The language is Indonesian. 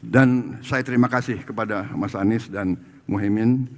dan saya terima kasih kepada mas anies dan muhyemin